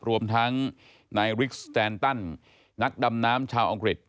รวมทั้งนายริกสแตนตันนักดำน้ำชาวอังกฤษ